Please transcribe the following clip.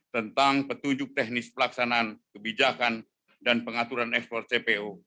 tentang petunjuk teknis pelaksanaan kebijakan dan pengaturan ekspor cpo